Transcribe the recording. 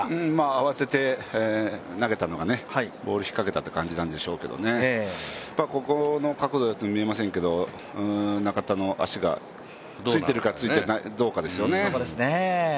慌てて投げたのがボール引っかけたという感じなんでしょうけど、ここの角度だと見えませんけど、中田の足がついてるかどうかですよね。